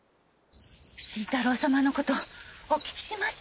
新太郎様の事お聞きしました。